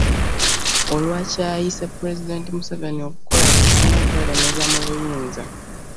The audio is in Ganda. Olwa ky'ayise Pulezidenti Museveni okukola buli kimu okweremeza mu buyinza.